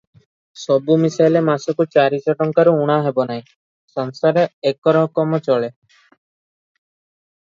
ସବୁ ମିଶାଇଲେ ମାସକୁ ଚାରି ଟଙ୍କାରୁ ଊଣା ହେବ ନାହିଁ, ସଂସାର ଏକରକମ ଚଳେ।